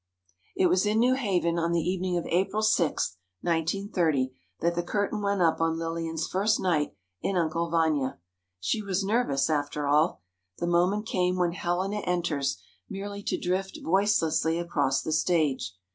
It was in New Haven, on the evening of April 6 (1930), that the curtain went up on Lillian's first night in "Uncle Vanya." She was nervous, after all. The moment came when Helena enters, merely to drift voicelessly across the stage.